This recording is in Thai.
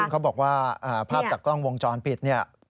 เขาบอกว่าภาพจากกล้องวงจรปิดเนี่ย